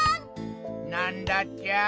なんだっちゃ？